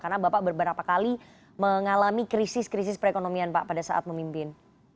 karena bapak berberapa kali mengalami krisis krisis perekonomian pak pada saat memimpin